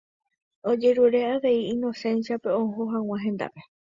Ojerure avei Inocencia-pe oho hag̃ua hendápe.